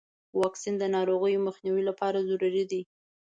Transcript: واکسین د ناروغیو مخنیوي لپاره ضروري دی.